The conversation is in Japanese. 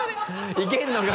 いけるのか？